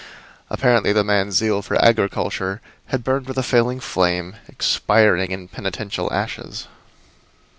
Apparently the man's zeal for agriculture had burned with a failing flame, expiring in penitential ashes.